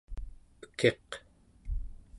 ekiq